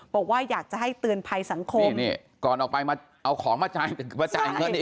บอกว่าอยากจะให้เตือนภัยสังคมนี่ก่อนออกไปมาเอาของมาจ่ายเงินอีก